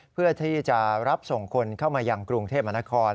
เพื่อที่จะรับส่งคนเข้ามายังกรุงเทพมนาคม